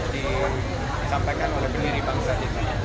disampaikan oleh pendiri bangsa